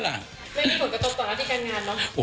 ไม่มีผลกระทบต่อหน้าที่การงานเนอะ